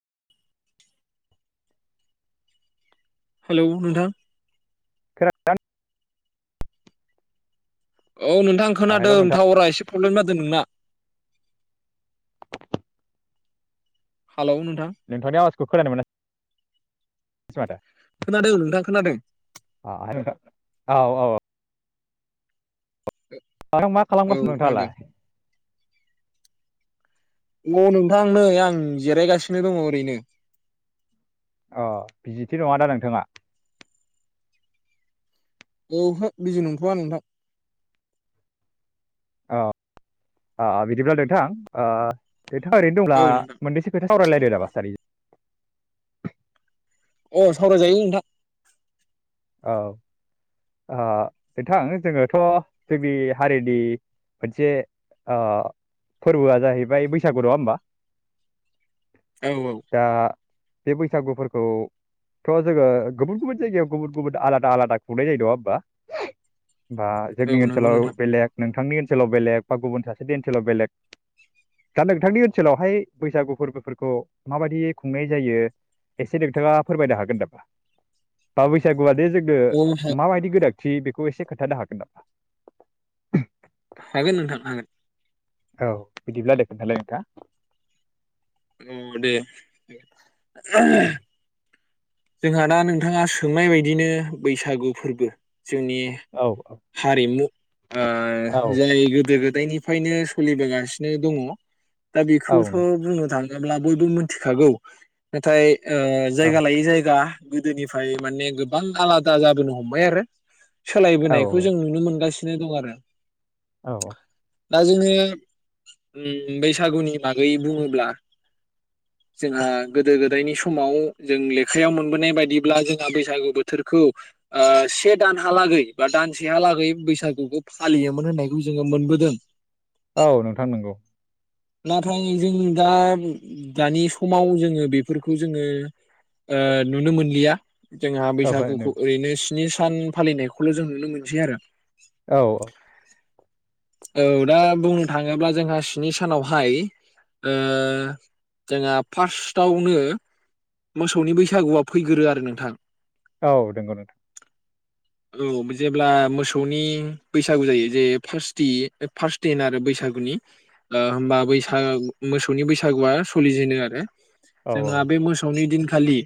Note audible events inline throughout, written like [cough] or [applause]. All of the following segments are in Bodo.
[unintelligible] हेलौ नोंथां [inaudible] औ नोंथां हेलौ खोनादों नोंथां टावरा एसे प्रब्लम जादों। नोंना। हालौ नोंथां नोंथांनि आवाजखौ खोनानो मोनै। खोनादों नोंथां खोनादों औ-औ। [unintelligible] औ खालामगासिनो खोनादों नोंथाङालाय? औ नोंथां नै आं जिरायगासिनो दङ ओरैनो। अ बिजिथ नङ दा नोंथाङा? औ हो बिजि नंथ'वा नोंथां [inaudible] औ ओ बिदिब्ला नोंथां ओ नोंथांआ ओरै दंब्ला औ नोंथां मोननैसो खोथा सावरायलायदो नामा सानैजों अ सावरायजायो नोंथां। औ ओ नोंथां जोङोथ' जोंनि हारिनि मोनसे ओ फोरबोआ जाहैबाय बैसागु नङा होमबा? [inaudible] औ दा बे बैसागुफोरखौथ' जोङो गुबुन गुबुन जायगायाव गुबुन गुबुन आलादा आलादा खुंनाय जायो नङा होमबा? ओ औ औ जोंनि नंगौ ओनसोलाव नोंथां बेलेग नोंथां नोंथांनि ओनसोलाव बेलेग बा गुबुन सासेनि ओनसोलाव बेलेग दा नोंथांनि ओनसोलावहाय बैसागु फोरबोफोरखौ माबायदि खुंनाय जायो एसे नोंथाङा फोरमायनो हागोन नामा? बा बैसाग‌ [unintelligible] जोंनो अ माबायदि गोनां थि बेखौ एसे खोन्थानो हागोन नामा? हागोन नोंथां हागोन। औ बिदिब्ला दे खोन्थालाय नोंथाङा औ दे [inaudible] जोंहा दा नोंथाङा सोंनाय बायदिनो बैसागु फोरबो जोंनि औ औ हारिमु ओ औ जाय गोदो गोदायनिफ्रायनो सोलिबोगासिनो दङ दा औ बेखौथ' नों बुंनो थाङो अब्ला बयबो मिथिखागौ नाथाय ओ औ जायगा लायै जायगा दा गोदोनिफ्राय माने गोबां आलादा जाबोनो हमबाय आरो औ सोलायबोनायखौ जों नुनो मोनगासिनो स दग आरो औ औ दा जोङो ओ बैसागुनि बागै बुङोब्ला जोंहा गोदो गोदायनि समाव जों लेख आखायाव मोनबोनाय बायदिब्ला जोंहा बैसागु बोथोरखौ से दानहालागै बा दानसेहालागै बैसागुखौ फालियोमोन होननायखौ जोङो मोनबोदों औ नोंथां नंगौ नाथाय जों दा दानि समाव जोङो बेफोरखौ जोङो नुनो मोनलिया जोंहा औ हो नों बैसागुखौ ओरैनो स्नि सान फालिनायखौल' जों नुनो मोनसै आरो औ औ औ दा बुंनो थाङोब्ला जोंहा स्नि सानावहाय जोंहा फार्स्टआवनो मोसौनि बैसागुआ फैग्रो आरो नोंथां औ नोंगौ नों औ जेब्ला मोसौनि बैसागु जायो जे फार्स्ट फासदिन आरो बैसागुनि होमबा बैसाग मोसौनि बैसागुआ सोलिजेनो आरो औ जोंहा बे औ मोसौनि दिन खालि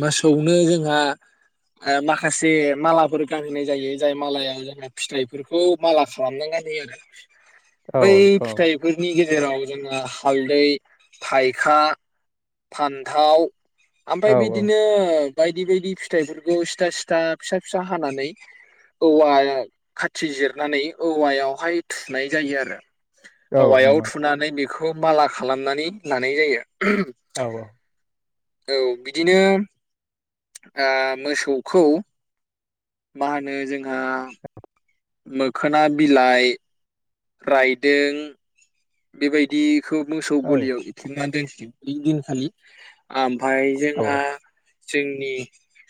मोासौनो जोंहा माखासे मालाफोर गानहोनाय जायो जाय मालायाव जोंहा फिथाइफोरखौ माला खालामना गानहोयो आरो औ बै फिथाइफोरनि गेजेर जेराव जोंङो हालदै थायखा फान्थाव औ ओमफ्राय औ बिदिनो बायदि बायदि फिथाइफोरखौ सिथा सिथा फिसा फिसा हानानै औवा खाथि जिरा खारनानै औवायावहाय थुनाय जायो आरो औ औवायाव नंगौ नोंथां थुनानै बे बे खौ बाला खालामनानै लानाय जायो औ औ बिदिनो ओ मोसौखौ मा होनो जों ओ मोखोना बिलाइ रायदों बेबायदि खौ मोसौ औ गलियाव एथंनानै दोनसिगोन बिदिन खालि ओमफफ्राय औ जोंहा जोंनि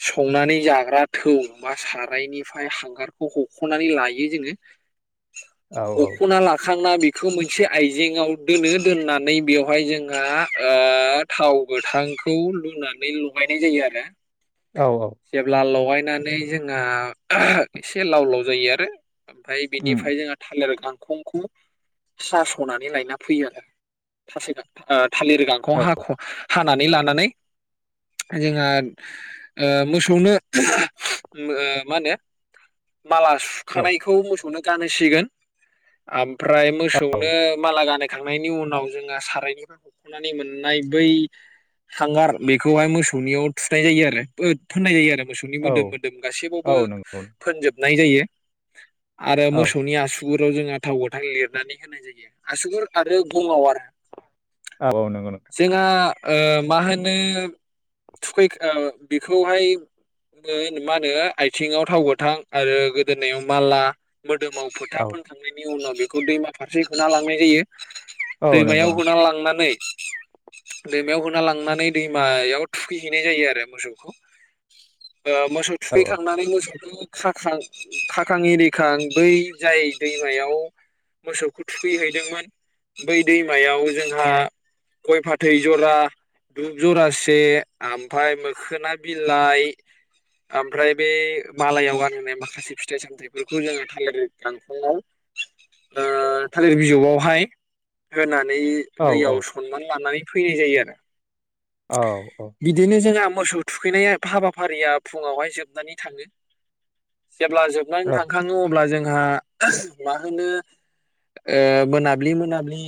संनानै जाग्रा थौ बा सारायनिफ्राय हांगारखौ हख'नानै लायो जोङो औ हखना ला थांना बेखौ मोनसे आइजेंआव दोनो दोननानै बेवहाय जोंहा ओ थाव गोथांखौ लुनानै लगायनाय जायो आरो औ औ जब्ला लगय नानै जोंहा आंहा एसे लाव लाव जायो आरो ओमफ्राय उम बिनिफ्राय जोंहा थालिर बिफां [unintelligible] सनानै लायना फैयो आरो थास [unintelligible] थालिर गांखौ औ हख' हा नानै लानानै जोंहा ओ मोसौनो मा होनो माला औ सुखानायखौ मोसौनो गानहोसिगोन आम ओमफ्राय मोसौनो औ गानाहोखांनायनि उनाव जोंहा सारायनिफ्राय हख'नानै मोननाय बै हांगार बेखौहाय मोसौनियाव थुनाय जायो आरो थोननाय जायो आरो मोसौनि औ मोदोम मोदोम औ गासैबावबो नंगौ फोनजोब नाय जायो आरो औ मोसौनि आसु गुुरियाव जोंङाथाव गोथां लिरनानै होनाय जायो आसुगुर आरो गंङाव आरो औ नंगौ नंगौ। जोंहा ओ मा होनो थुखै बेखौहाय मा होनो आथिङाव थाव गोथां आरो गोदोनाव माला मोदोमाव औ फोथाफोनखांनायनि उनाव बे दैमा फसेा [unintelligible] सांनाय जायो [unintelligible] औ नंगौ दैमायाव नोंथां होनानै लांनानै दैमायाव होना लांनानै दैमायाव थुखैहैनाय जायो आरो मोसौखौ ओ मोसौ औ थुखैखांनानै मोसौ खाखां खाखां एरिखां बै जाय दैमायाव मोसौखौ थुख फैहैदोंमोन बै दैमायाव जोंहा, गय फाथै जरा दुब जरासे ओमफ्राय मोखोना बिलाइ ओमफ्राय बे मालायाव गानहोननाय माखासे फिथाइ सामथायाइफोरखौ जोङो थालिर गांखंआव ओ थालिर बिजगावहाय होनानै बे औ औ दैयाव समान लानानै फैनाय जायो आरो औ बिदिनो जोंहा मोसौ थुखैनाय हाबाफारिया फुङावहाय जोबनानै थाङो जेब्ला जोबनानै थांखाङो अब्ला जों मा होनो [unintelligible] ओ मोनाब्लि मोनाब्लि।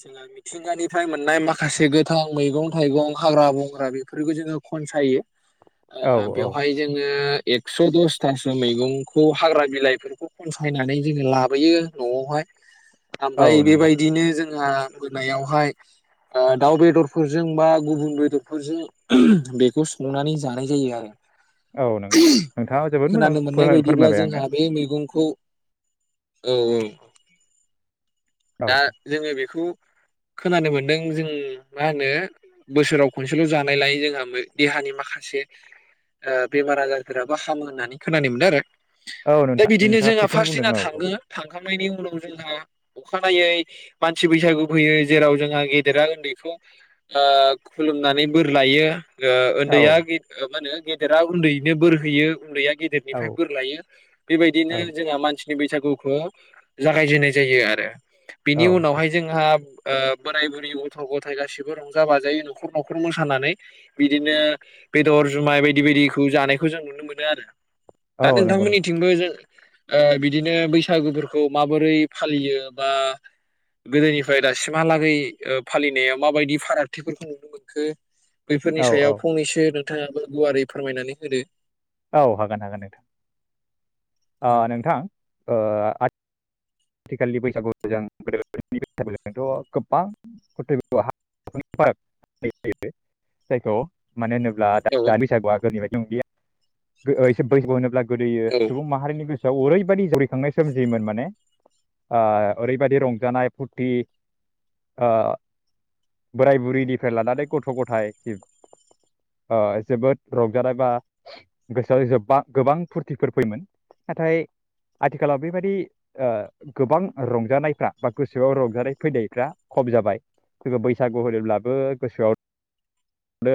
जोंहा मिथिंगानिफ्राय मोननाय माखासे गोथां मैगं थाइगं हाग्रा बंग्रा बेफोरखौ जोङो खनसायो। औ औ बेवहाय जोङो। एक्स' दसथासो मैगंखौ हाग्रा बिलाइफोरखौ खनसायनानै जोङो लाबोयो न'आवहाय। औ ओमफ्राय नंगौ बेबायदिनो जोंहा मोनायावहाय दाउ बेदरफोरजों बा गुबुन बेदर जों बेखौ संनानै जानाय जायो आरो। औ नंगौ नोंथां नोंथाङा जोबोद मोजां खोनानो मोननाय फोरमाय बायदिब्ला फोरमायबाय आंनो जोंहा बे मैगं खौ औ औ। औ दा जोङो बेखौ खोनानो मोनदों जों मा होनो? बोसोराव खनसेल' जानाय लाय जोंहा देहानि माखासे बेमार आजारफोराबो हामो होननानै खोनानो मोनदों आरो। औ दा नोंथां बिदिनो नोंथाङा जोंहा थिगखौनो फार्स्ट बुंदों दिना औ थांगो थांखांनायनि उनाव जोंहा अखानायै मानसि बैसागु फैयो जेराव जोंहा गेदेरा उन्दैखौ खुलुमनानै बोर लायो। औ उन्दैया गि मा होनो। गिदिरा उन्दैनो बोर होयो उन्दैया गिदिरनिफ्राय औ बोर लायो बेबायदिनो जोंहा मानसि बैसागुखौ जागायजेननाय जायो आरो। औ बिनि उनावहाय जोंहा ओ बोराय बुरै गथ' गथाय गासिबो रंजा बाजायै न'खर न'खर मोसानानै बिदिनो बेदर जुमाय बायदि बायदिखौ जानायखौ जों नुनो मोनो आरो। दा औ औ नंगौ नोंथां नोंथांमोननिथिंबो ओ बिदिनो बैसागुफोरखौ माबोरै फालियो बा गोदोनिफ्राय दासिमहालागै ओ फालिनायाव माबायदि फारागथिफोरखौ नुनो मोनखो। बैफोरनि औ औ सायाव फंनैसो नोंथाङाबो गुवारै फोरमायनानै होदो। औ हागोन हागोन नोंथां नोंथां। [unintelligible] मानो होनोब्ला दा औ दानि बैसागुआ गोदोनि बाय [unintelligible] गोदोयो औ सुबुं माहारिनि गोसो आव ओरैबायदि जावरिखांनाय सोमजियोमोन माने। ओ ओरैबायदि रंजानाय फुरथि ओ बोराय बुरैनिफ्राय लानानै गथ' गथाय ओ जोबोद रंजानाय बा गोसोआव गोबां फुरथिफोर फैयोमोन नाथाय आथिखालाव बेबायदि ओ गोबां रंजानायफ्रा बा गोसोआव रंजानाय फैनायफ्रा खम जाबाय सोरबा बैसागु होनोबब्लाबो गोसोआव नो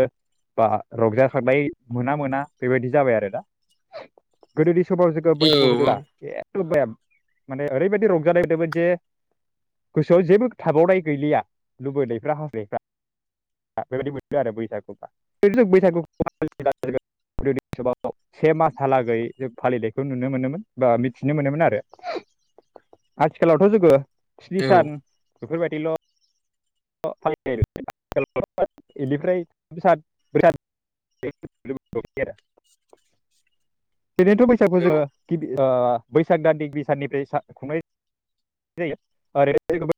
बा रंजाखांनाय मोना मोना बेबायदि जाबाय आरो दा गोदोनि समाव जों बैसागु औ होनबा माने ओरै बायदि रंजानायमोनोमोन जे गोसोआव जेबो थाबावनाय गैलिया लुबैनायफ्रा हासथायनायफ्रा [unintelligible] से मासहा लागै जों फालिनायखौ नुनो मोनोमोन बा मिथिनो मोनोमोन आरो आथिखालाव थ जोङो स्नि औ सान बेफोरबायदिल' [unintelligible] दिनैनोथ' बैसागु औ जोङो गिबि ओ बैसाग दाननि गिबि साननिफ्राय सा खुंनाय जायो ओरै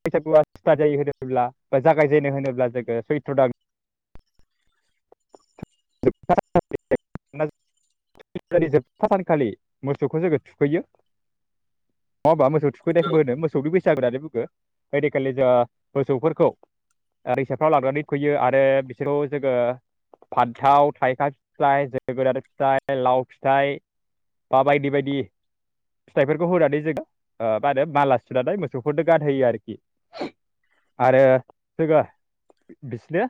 बैसागुआ सिथार जायो होनोब्ला बा जागायजेननो होनोब्ला जोङो सैथ्र' दान [unintelligible] जोबथा सानखालि मोसौखौ जोङो थुखैयो। नङा होनबा मोसौ थुखैनाय खौ औ बो होनो मोसौ बे बैसागु होननानै बुङो बै दिखालि जोङो मोसौफोरखौ ओ दैसाफ्राव लागानै थुखैयो आरो बिसोरखौ जोङो फान्थाव थाइखा फिथाइ जोगोनार फिथाइ लाव फिथाइ बा बायदि बायदि फिथाइफोरखौ होनानै जोङो ओ मा होनो माला सुनानै मोसौफोरनो गानहोयो आरोखि आरो जोङो बिसिनो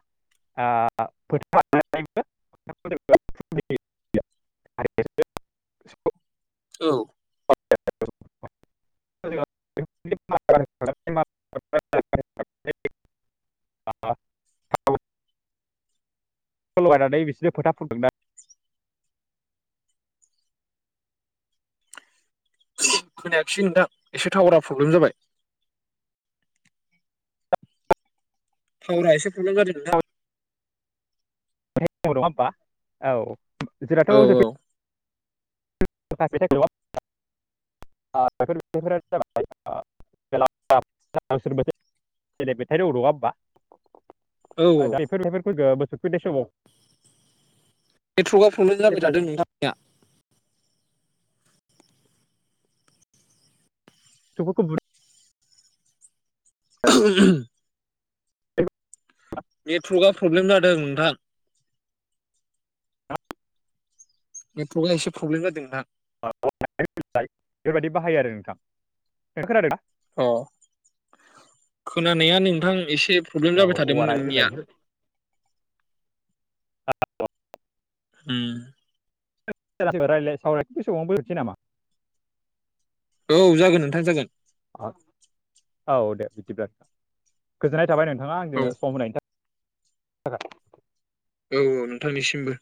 ओ फो [unintelligible] औ। [unintelligible] [unintelligible] लगायनानै बिसोरो फोथा फुनदों ना। खोनायाखिसै नोंथां एसे टावारा प्रब्लेम जाबाय। थावारा एसे प्रब्लेम जादों नोंथां। औ [unintelligible] औ जोंनाथ [unintelligible] [unintelligible] [unintelligible] औ औ [unintelligible] [unintelligible] प्रब्लेम जाबाय जेब्ला थादों नोंथां निया। [unintelligible] [unintelligible] [unintelligible] प्रब्लेम जादों नोंथां। नेटवर्कआ एसे प्रब्लेम जादों ना। [unintelligible] बेफोरबायाददि बाहायो आरो नोंथां नों खोनादों दा? अ खोनानाया नोंथां एसे प्रब्लेम औ जाबाय औवा थादोंमोन राय बिलाइ नोंनिया। [unintelligible] होम। [unintelligible] औ जागोन नोंथां जागोन। औ दे बिदिब्ला गोजोननाय। जाबाय नोंथाङा औ आंजों सम होनाय थाखाय। [unintelligible] औ औ नोंथांनिसिमबो।